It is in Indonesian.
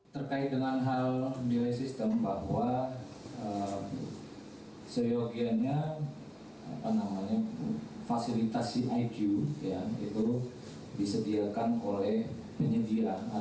terkait dengan hal di sistem bahwa